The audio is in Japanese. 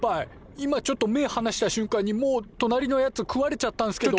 今ちょっと目ぇはなした瞬間にもうとなりのやつ食われちゃったんすけど。